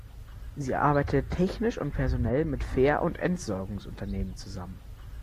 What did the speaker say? Sie arbeitet technisch und personell mit Ver- und Entsorgungsunternehmen zusammen.